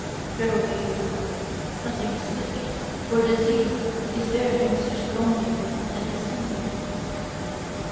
Verily, nothing sick or diseased is there in such longing and descending!